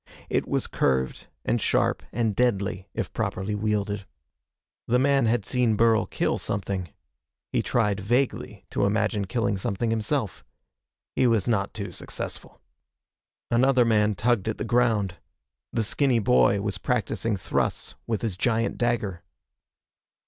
It was curved and sharp and deadly if properly wielded. The man had seen Burl kill something. He tried vaguely to imagine killing something himself. He was not too successful. Another man tugged at the ground. The skinny boy was practicing thrusts with his giant dagger.